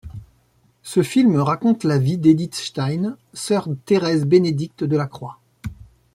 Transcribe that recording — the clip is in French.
Ce film raconte la vie d'Edith Stein, sœur Thérèse-Bénédicte de la Croix.